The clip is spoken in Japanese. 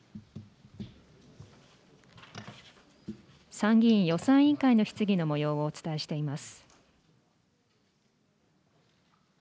参議院予算委員会の質疑のもようをお伝えしています。